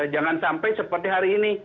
jangan sampai seperti hari ini